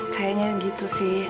kayaknya gitu sih